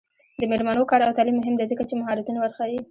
د میرمنو کار او تعلیم مهم دی ځکه چې مهارتونه ورښيي.